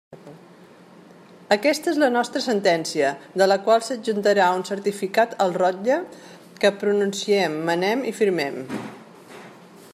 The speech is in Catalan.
Aquesta és la nostra sentència, de la qual s'adjuntarà un certificat al rotlle, que pronunciem, manem i firmem.